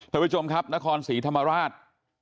ท่านผู้ชมครับนครศรีธรรมราช